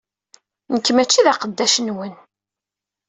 Nekk mačči d aqeddac-nwen!